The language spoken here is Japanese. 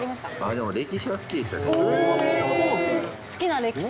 でも、歴史は好きですよね。